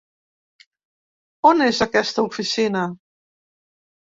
On és aquesta oficina?